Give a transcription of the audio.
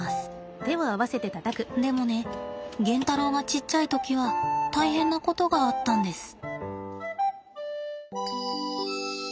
でもねゲンタロウがちっちゃい時は大変なことがあったんです。